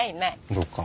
そっか。